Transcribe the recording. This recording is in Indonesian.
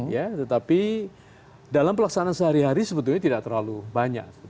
ya tetapi dalam pelaksanaan sehari hari sebetulnya tidak terlalu banyak